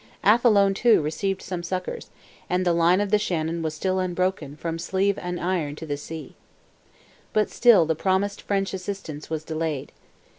Athlone, too, received some succours, and the line of the Shannon was still unbroken from Slieve an iron to the sea. But still the promised French assistance was delayed.